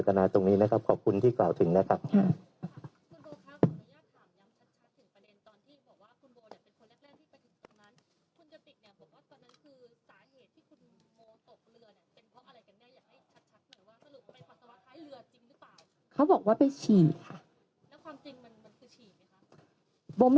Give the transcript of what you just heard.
หรือว่าครบไปนักศึกแรกหรือเปล่าเขาบอกว่าไปฉีดค่ะ